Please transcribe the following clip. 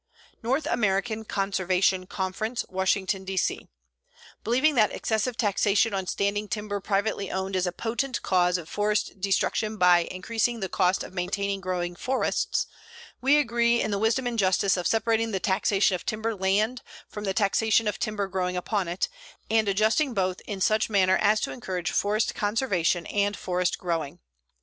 NORTH AMERICAN CONSERVATION CONFERENCE, Washington, D. C.: Believing that excessive taxation on standing timber privately owned is a potent cause of forest destruction by increasing the cost of maintaining growing forests, we agree in the wisdom and justice of separating the taxation of timber land from the taxation of timber growing upon it, and adjusting both in such manner as to encourage forest conservation and forest growing.